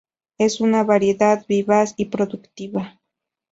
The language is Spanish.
Es una variedad vivaz y productiva.